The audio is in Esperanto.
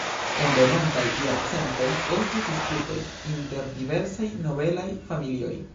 En venontaj jarcentoj estis disputoj inter diversaj nobelaj familioj.